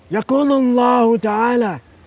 yaqulul allahu ta'ala